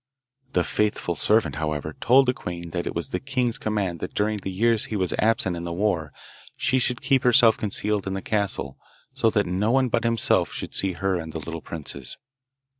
The faithful servant, however, told the queen that it was the king's command that during the years he was absent in the war she should keep herself concealed in the castle, so that no one but himself should see her and the little princes.